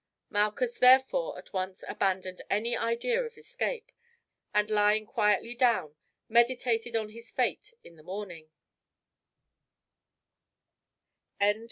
Malchus, therefore, at once abandoned any idea of escape, and lying quietly down meditated on his fate in the morning.